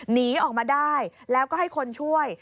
หนีออกมาได้แล้วก็ให้คนช่วย